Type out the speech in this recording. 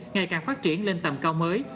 ngày càng phát triển lên tầm cao mới